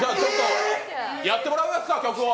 やってもらいますか、曲を。